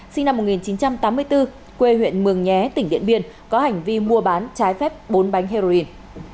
sinh năm một nghìn chín trăm tám mươi bốn quê huyện mường nhé tỉnh điện biên có hành vi mua bán trái phép bốn bánh heroin